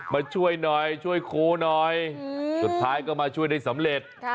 มาช่วยหน่อยช่วยโคหน่อยสุดท้ายก็มาช่วยได้สำเร็จ